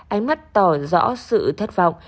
ánh mắt tỏ rõ sự thất vọng